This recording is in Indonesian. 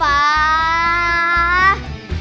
sama dua times